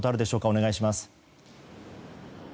お願いします。